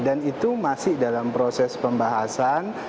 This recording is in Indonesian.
dan itu masih dalam proses pembahasan